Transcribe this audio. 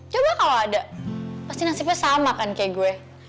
coba kalau ada pasti nasibnya sama kan kayak gue